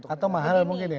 atau mahal mungkin ya